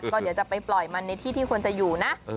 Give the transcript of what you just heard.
ก็เดี๋ยวจะไปปล่อยมันในที่ที่ควรจะอยู่นะ